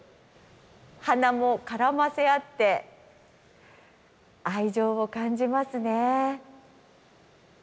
鼻も絡ませ合って愛情を感じますね。